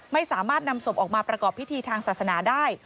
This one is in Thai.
ไม่สามารถนำศพออกมาประกอบพิธีทางศาสนาได้